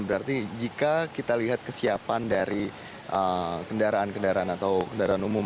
berarti jika kita lihat kesiapan dari kendaraan kendaraan atau kendaraan umum